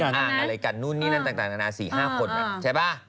อะไรกันนู่นนี่นั่นต่างนานา๔๕คนใช่ป่ะ